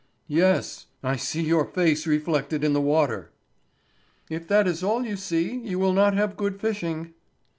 "Yes, I see your face reflected in the water." "If that is all you see, you will not have good fishing."